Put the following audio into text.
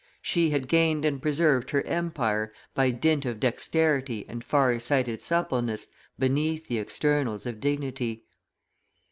she had gained and preserved her empire by dint of dexterity and far sighted suppleness beneath the externals of dignity.